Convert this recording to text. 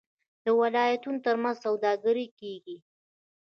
د ولایتونو ترمنځ سوداګري کیږي.